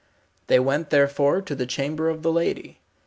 They went therefore to the chamber of the lady.